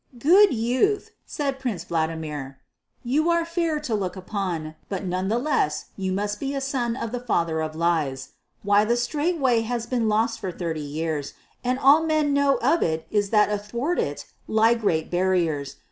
"Good youth," said Prince Vladimir, "you are fair to look upon, but none the less you must be a son of the Father of Lies. Why, the straight way has been lost for thirty years, and all men know of it is that athwart it lie great barriers.